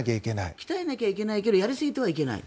鍛えなきゃいけないけどやりすぎてはいけない？